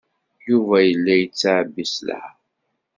Yuba yella yettɛebbi sselɛa.